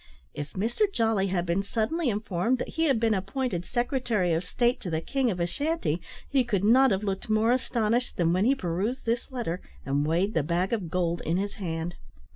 If Mr Jolly had been suddenly informed that he had been appointed secretary of state to the king of Ashantee, he could not have looked more astonished than when he perused this letter, and weighed the bag of gold in his hand.